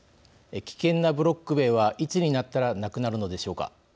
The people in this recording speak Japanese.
危険なブロック塀はいつになったらなくなるのでしょうか。